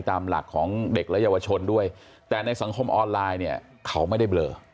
ตามหลักของเด็กและเยาวชนด้วยแต่ในสังคมออนไลน์เนี่ยเขาไม่ได้เบลอ